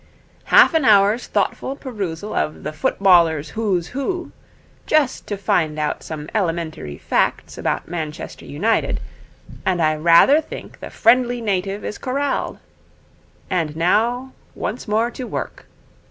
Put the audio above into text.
Half an hour's thoughtful perusal of the "Footballers' Who's Who", just to find out some elementary facts about Manchester United, and I rather think the friendly Native is corralled. And now once more to work.